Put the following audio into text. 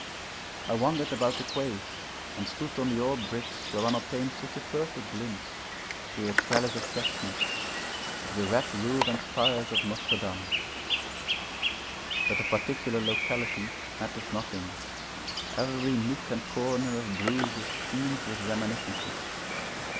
I wandered about the Quais and stood on the old bridge where one obtains such a perfect glimpse, through a trellis of chestnuts, of the red roof and spires of Notre Dame. But the particular locality matters nothing; every nook and corner of Bruges teems with reminiscences.